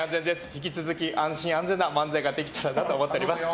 引き続き、安心安全な漫才ができたらなと思っています。